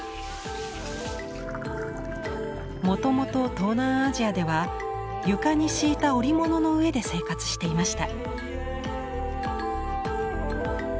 もともと東南アジアでは床に敷いた織物の上で生活していました。